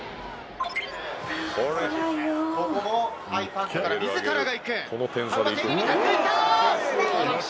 ここもハイパントから自らが行く。